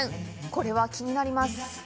これは気になります！